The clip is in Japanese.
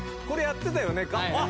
これやってたよね？